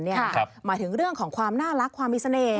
หมายถึงเรื่องของความน่ารักความมีเสน่ห